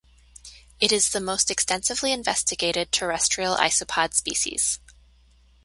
It is the most extensively investigated terrestrial isopod species.